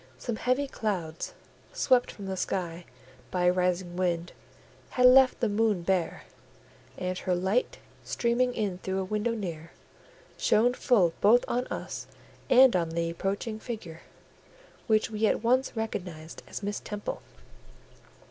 Some heavy clouds, swept from the sky by a rising wind, had left the moon bare; and her light, streaming in through a window near, shone full both on us and on the approaching figure, which we at once recognised as Miss Temple.